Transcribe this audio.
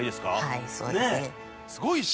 はいそうですね。